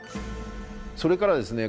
それからですね